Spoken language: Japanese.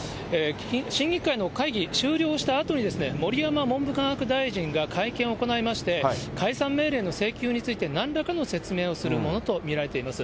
審議会の会議終了したあとに、盛山文部科学大臣が会見を行いまして、解散命令の請求について、なんらかの説明をするものと見られています。